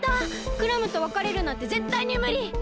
クラムとわかれるなんてぜったいにむり！